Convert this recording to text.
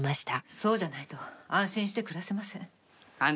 そうじゃないと安心して暮らせません。